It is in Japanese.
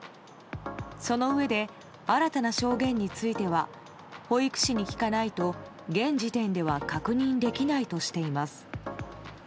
そのうえで新たな証言については保育士に聞かないと現時点では確認できないとしています。